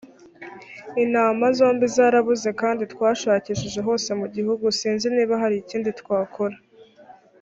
intama zombi zarabuze kandi twashakiye hose mugihugu sinzi niba hari ikindi twakora